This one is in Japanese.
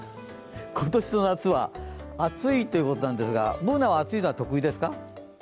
今年の夏は暑いということなんですが、Ｂｏｏｎａは暑いのは得意ですか？